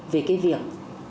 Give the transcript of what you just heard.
về cái việc